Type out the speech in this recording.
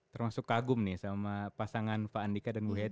termasuk kagum nih sama pasangan pak andika dan bapu bapu ini ya